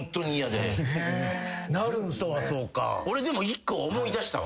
俺でも１個思い出したわ。